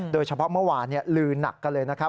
โดยเฉพาะเมื่อวานลือหนักกันเลยนะครับ